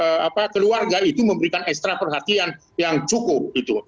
sehingga keluarga itu memberikan extra perhatian yang cukup